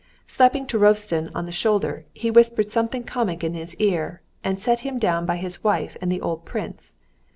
Slapping Turovtsin on the shoulder, he whispered something comic in his ear, and set him down by his wife and the old prince.